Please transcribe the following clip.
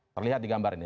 terlihat di gambar ini